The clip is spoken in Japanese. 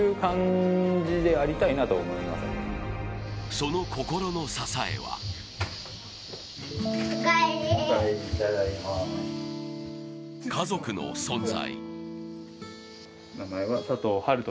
その心の支えは家族の存在。